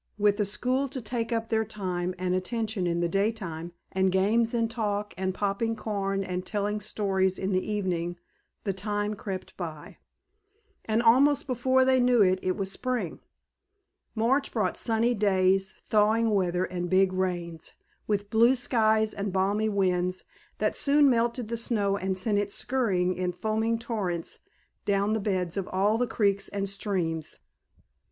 With the school to take up their time and attention in the daytime and games and talk and popping corn and telling stories in the evening the time crept by, and almost before they knew it it was spring. March brought sunny days, thawing weather and big rains, with blue skies and balmy winds that soon melted the snow and sent it scurrying in foaming torrents down the beds of all the creeks and streams.